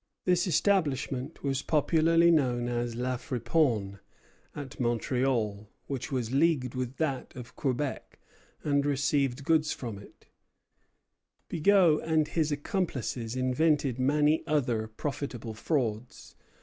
This establishment was popularly known as La Friponne, or The Cheat. There was another Friponne at Montreal, which was leagued with that of Quebec, and received goods from it. Bigot and his accomplices invented many other profitable frauds.